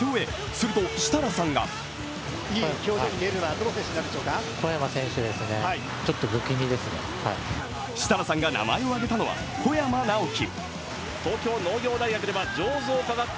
すると設楽さんが設楽さんが名前を挙げたのは小山直城。